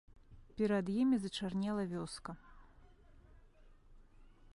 Перад імі зачарнела вёска.